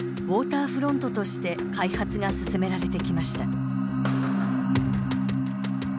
ウォーターフロントとして開発が進められてきました。